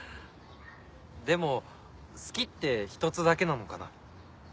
でも「好き」って１つだけなのかな？